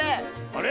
あれ？